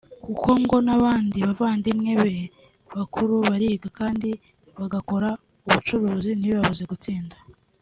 kuko ngo n’abandi bavandimwe be bakuru bariga kandi bagakora n’ubucuruzi ntibibabuze gutsinda